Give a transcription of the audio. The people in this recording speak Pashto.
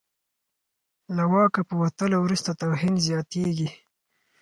له واکه په وتلو وروسته توهین زیاتېږي.